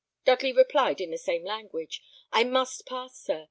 Dudley replied in the same language, "I must pass, sir.